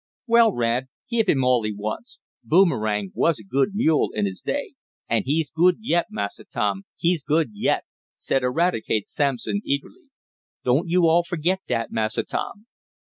"Well, Rad, give him all he wants. Boomerang was a good mule in his day." "An' he's good yet, Massa Tom, he's good yet!" said Eradicate Sampson eagerly. "Doan't yo' all forgit dat, Massa Tom."